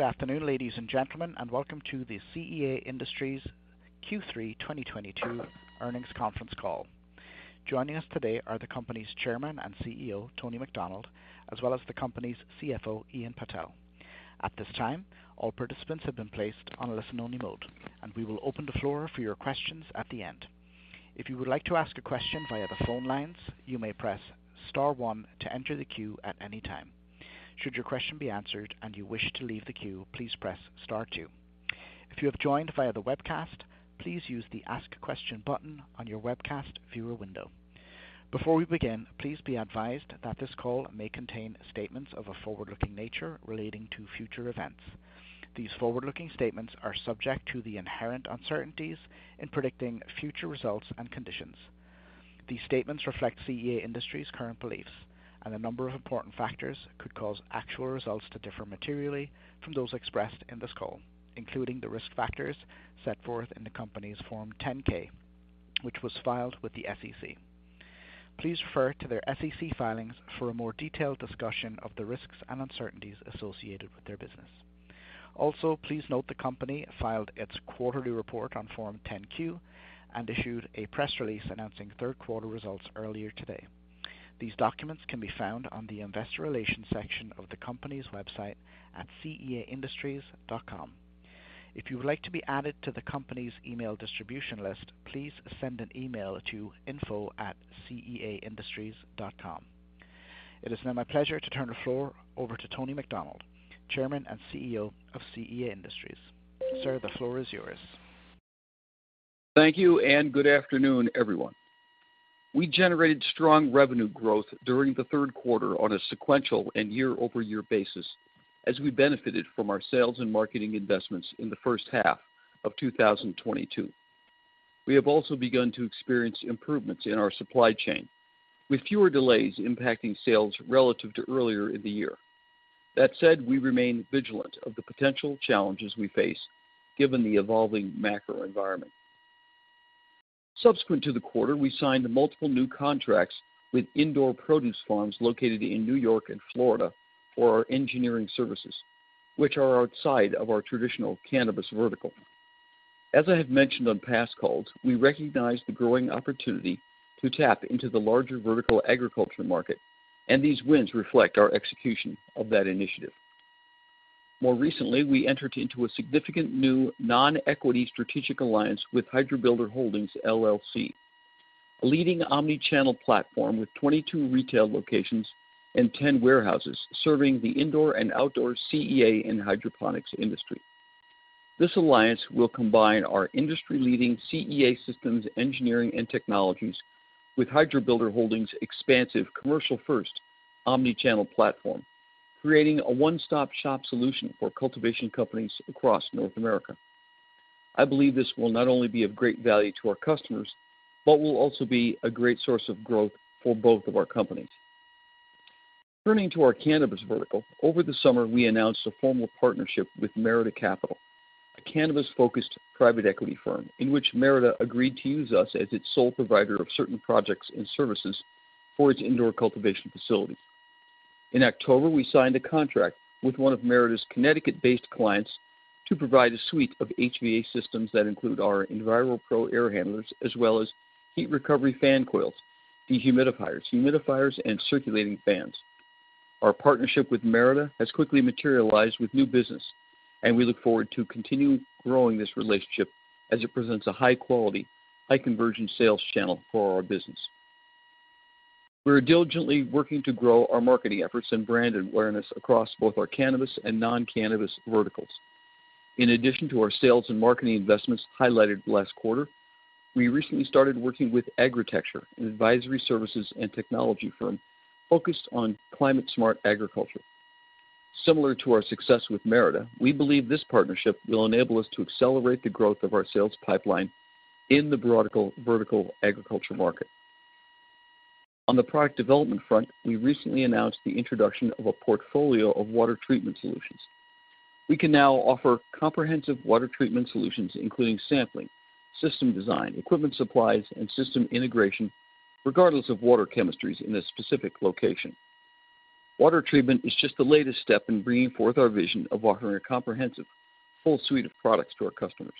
Good afternoon, ladies and gentlemen, and welcome to the CEA Industries Q3 2022 Earnings Conference Call. Joining us today are the company's Chairman and CEO, Tony McDonald, as well as the company's CFO, Ian Patel. At this time, all participants have been placed on listen-only mode, and we will open the floor for your questions at the end. If you would like to ask a question via the phone lines, you may press star one to enter the queue at any time. Should your question be answered and you wish to leave the queue, please press star two. If you have joined via the webcast, please use the Ask Question button on your webcast viewer window. Before we begin, please be advised that this call may contain statements of a forward-looking nature relating to future events. These forward-looking statements are subject to the inherent uncertainties in predicting future results and conditions. These statements reflect CEA Industries' current beliefs, and a number of important factors could cause actual results to differ materially from those expressed in this call, including the risk factors set forth in the company's Form 10-K, which was filed with the SEC. Please refer to their SEC filings for a more detailed discussion of the risks and uncertainties associated with their business. Also, please note the company filed its quarterly report on Form 10-Q and issued a press release announcing third quarter results earlier today. These documents can be found on the investor relations section of the company's website at ceaindustries.com. If you would like to be added to the company's email distribution list, please send an email to info@ceaindustries.com. It is now my pleasure to turn the floor over to Tony McDonald, Chairman and CEO of CEA Industries. Sir, the floor is yours. Thank you, and good afternoon, everyone. We generated strong revenue growth during the third quarter on a sequential and year-over-year basis as we benefited from our sales and marketing investments in the first half of 2022. We have also begun to experience improvements in our supply chain, with fewer delays impacting sales relative to earlier in the year. That said, we remain vigilant of the potential challenges we face given the evolving macro environment. Subsequent to the quarter, we signed multiple new contracts with indoor produce farms located in New York and Florida for our engineering services, which are outside of our traditional cannabis vertical. As I have mentioned on past calls, we recognize the growing opportunity to tap into the larger vertical agriculture market, and these wins reflect our execution of that initiative. More recently, we entered into a significant new non-equity strategic alliance with Hydrobuilder Holdings LLC, a leading omni-channel platform with 22 retail locations and 10 warehouses serving the indoor and outdoor CEA and hydroponics industry. This alliance will combine our industry-leading CEA systems engineering and technologies with Hydrobuilder Holdings expansive commercial-first omni-channel platform, creating a one-stop-shop solution for cultivation companies across North America. I believe this will not only be of great value to our customers, but will also be a great source of growth for both of our companies. Turning to our cannabis vertical, over the summer, we announced a formal partnership with Merida Capital Holdings, a cannabis-focused private equity firm, in which Merida Capital Holdings agreed to use us as its sole provider of certain projects and services for its indoor cultivation facilities. In October, we signed a contract with one of Merida's Connecticut-based clients to provide a suite of HVAC systems that include our EnviroPro Air Handlers, as well as heat recovery fan coils, dehumidifiers, humidifiers, and circulating fans. Our partnership with Merida has quickly materialized with new business, and we look forward to continuing growing this relationship as it presents a high-quality, high-conversion sales channel for our business. We are diligently working to grow our marketing efforts and brand awareness across both our cannabis and non-cannabis verticals. In addition to our sales and marketing investments highlighted last quarter, we recently started working with Agritecture, an advisory services and technology firm focused on climate-smart agriculture. Similar to our success with Merida, we believe this partnership will enable us to accelerate the growth of our sales pipeline in the vertical agriculture market. On the product development front, we recently announced the introduction of a portfolio of water treatment solutions. We can now offer comprehensive water treatment solutions, including sampling, system design, equipment supplies, and system integration, regardless of water chemistries in a specific location. Water treatment is just the latest step in bringing forth our vision of offering a comprehensive full suite of products to our customers.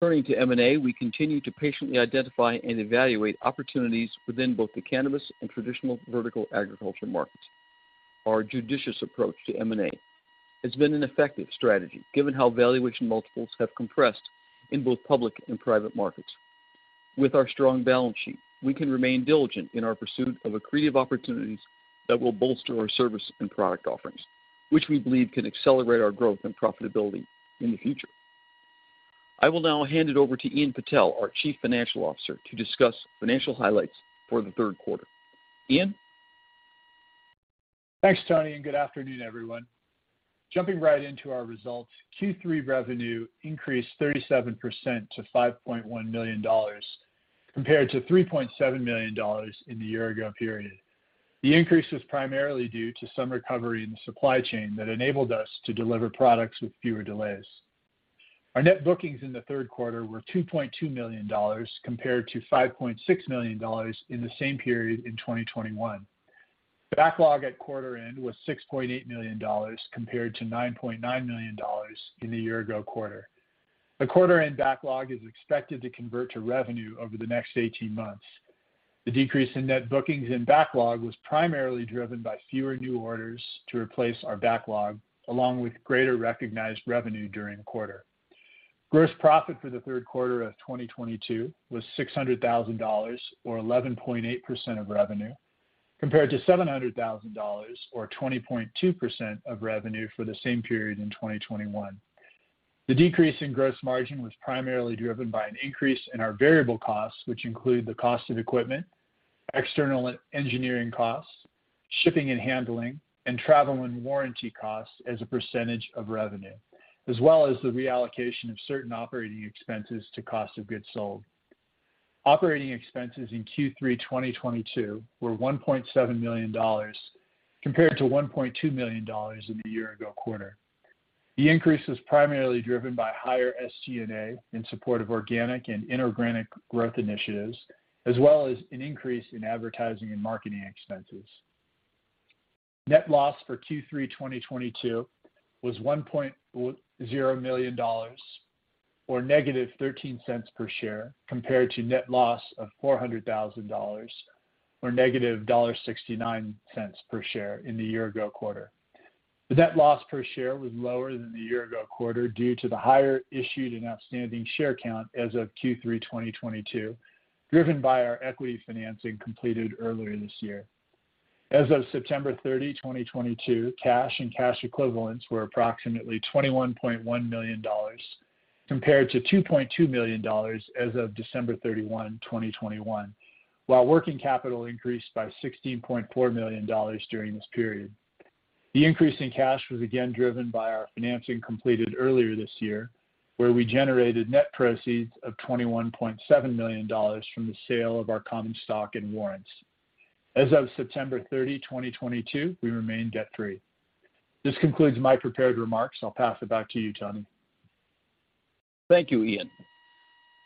Turning to M&A, we continue to patiently identify and evaluate opportunities within both the cannabis and traditional vertical agriculture markets. Our judicious approach to M&A has been an effective strategy, given how valuation multiples have compressed in both public and private markets. With our strong balance sheet, we can remain diligent in our pursuit of accretive opportunities that will bolster our service and product offerings, which we believe can accelerate our growth and profitability in the future. I will now hand it over to Ian Patel, our Chief Financial Officer, to discuss financial highlights for the third quarter. Ian? Thanks, Tony, and good afternoon, everyone. Jumping right into our results, Q3 revenue increased 37% to $5.1 million, compared to $3.7 million in the year ago period. The increase was primarily due to some recovery in the supply chain that enabled us to deliver products with fewer delays. Our net bookings in the third quarter were $2.2 million compared to $5.6 million in the same period in 2021. Backlog at quarter end was $6.8 million compared to $9.9 million in the year ago quarter. The quarter end backlog is expected to convert to revenue over the next 18 months. The decrease in net bookings and backlog was primarily driven by fewer new orders to replace our backlog, along with greater recognized revenue during the quarter. Gross profit for the third quarter of 2022 was $600,000, or 11.8% of revenue, compared to $700,000 or 20.2% of revenue for the same period in 2021. The decrease in gross margin was primarily driven by an increase in our variable costs, which include the cost of equipment, external engineering costs, shipping and handling, and travel and warranty costs as a percentage of revenue, as well as the reallocation of certain operating expenses to cost of goods sold. Operating expenses in Q3 2022 were $1.7 million compared to $1.2 million in the year ago quarter. The increase was primarily driven by higher SG&A in support of organic and inorganic growth initiatives, as well as an increase in advertising and marketing expenses. Net loss for Q3 2022 was $1.0 million, or -$0.13 per share, compared to net loss of $400,000 or -$0.69 per share in the year ago quarter. The net loss per share was lower than the year ago quarter due to the higher issued and outstanding share count as of Q3 2022, driven by our equity financing completed earlier this year. As of September 30th, 2022, cash and cash equivalents were approximately $21.1 million compared to $2.2 million as of December 31st, 2021, while working capital increased by $16.4 million during this period. The increase in cash was again driven by our financing completed earlier this year, where we generated net proceeds of $21.7 million from the sale of our common stock and warrants. As of September 30th, 2022, we remained debt-free. This concludes my prepared remarks. I'll pass it back to you, Tony. Thank you, Ian.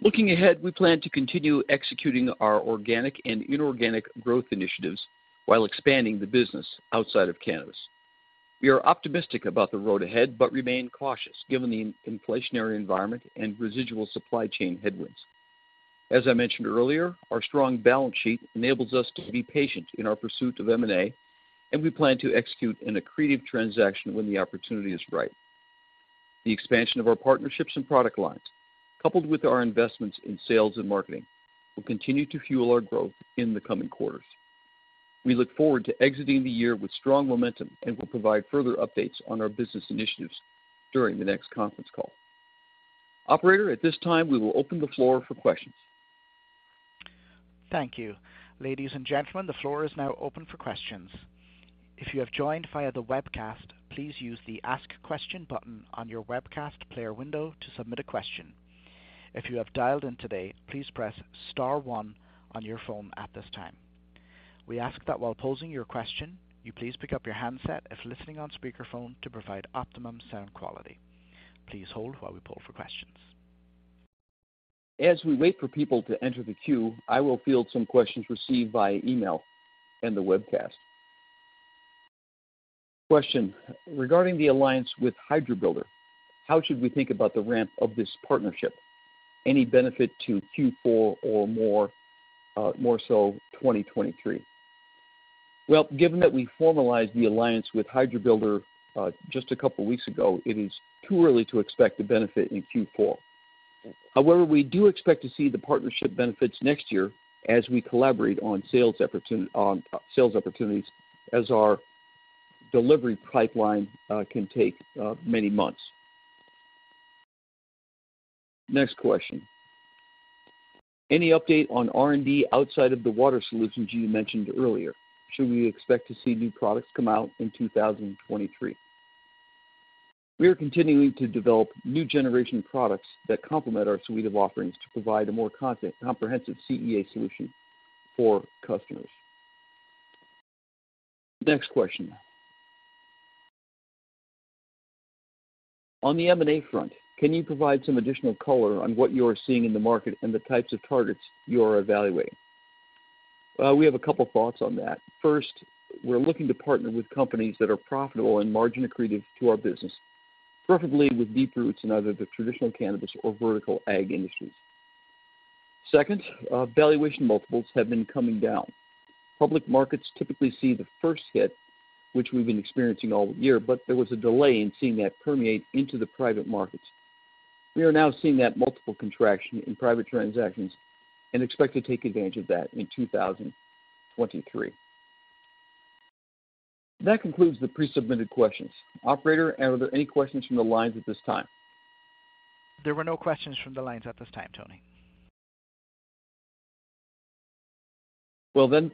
Looking ahead, we plan to continue executing our organic and inorganic growth initiatives while expanding the business outside of cannabis. We are optimistic about the road ahead, but remain cautious given the inflationary environment and residual supply chain headwinds. As I mentioned earlier, our strong balance sheet enables us to be patient in our pursuit of M&A, and we plan to execute an accretive transaction when the opportunity is right. The expansion of our partnerships and product lines, coupled with our investments in sales and marketing, will continue to fuel our growth in the coming quarters. We look forward to exiting the year with strong momentum and will provide further updates on our business initiatives during the next conference call. Operator, at this time, we will open the floor for questions. Thank you. Ladies and gentlemen, the floor is now open for questions. If you have joined via the webcast, please use the Ask Question button on your webcast player window to submit a question. If you have dialed in today, please press star one on your phone at this time. We ask that while posing your question, you please pick up your handset if listening on speakerphone to provide optimum sound quality. Please hold while we poll for questions. As we wait for people to enter the queue, I will field some questions received via email and the webcast. Question: Regarding the alliance with Hydrobuilder, how should we think about the ramp of this partnership? Any benefit to Q4 or more so 2023? Well, given that we formalized the alliance with Hydrobuilder just a couple of weeks ago, it is too early to expect the benefit in Q4. However, we do expect to see the partnership benefits next year as we collaborate on sales opportunities as our delivery pipeline can take many months. Next question. Any update on R&D outside of the water solutions you mentioned earlier? Should we expect to see new products come out in 2023? We are continuing to develop new generation products that complement our suite of offerings to provide a more comprehensive CEA solution for customers. Next question. On the M&A front, can you provide some additional color on what you are seeing in the market and the types of targets you are evaluating? We have a couple of thoughts on that. First, we're looking to partner with companies that are profitable and margin accretive to our business, preferably with deep roots in either the traditional cannabis or vertical ag industries. Second, valuation multiples have been coming down. Public markets typically see the first hit, which we've been experiencing all year, but there was a delay in seeing that permeate into the private markets. We are now seeing that multiple contraction in private transactions and expect to take advantage of that in 2023. That concludes the pre-submitted questions. Operator, are there any questions from the lines at this time? There were no questions from the lines at this time, Tony. Well, this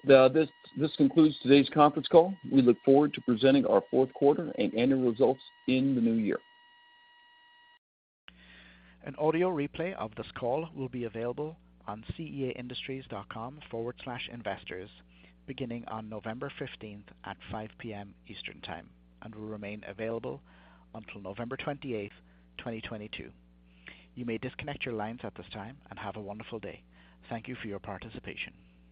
concludes today's conference call. We look forward to presenting our fourth quarter and annual results in the new year. An audio replay of this call will be available on ceaindustries.com/investors beginning on November 15th at 5 P.M. Eastern Time, and will remain available until November 28th, 2022. You may disconnect your lines at this time, and have a wonderful day. Thank you for your participation.